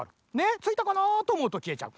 ついたかなとおもうときえちゃう。